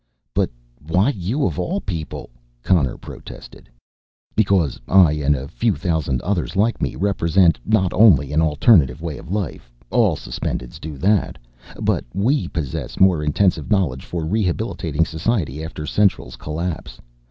"But why you of all people?" Connor protested. "Because I and a few thousand others like me represent not only an alternative way of life all Suspendeds do that but we possess more intensive knowledge for rehabilitating society after Central's collapse.